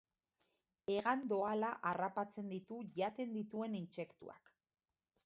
Hegan doala harrapatzen ditu jaten dituen intsektuak.